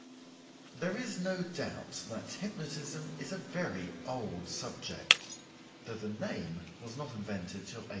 There is no doubt that hypnotism is a very old subject, though the name was not invented till 1850.